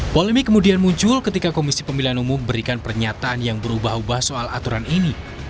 polemik kemudian muncul ketika komisi pemilihan umum memberikan pernyataan yang berubah ubah soal aturan ini